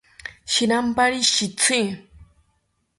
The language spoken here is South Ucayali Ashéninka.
Shirampari shitzi